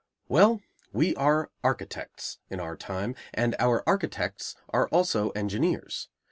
Well, we are architects in our time, and our architects are also engineers.